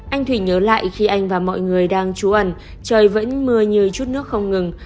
anh thủy nhớ lại khi anh và mọi người đang trú ẩn trời vẫn mưa như chút nước không ngừng